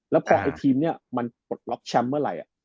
แล้วพอไอ้ทีมนี้มันปลดล็อกแชมป์เมื่อไหร่